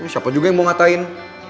siapa juga yang mau ngatain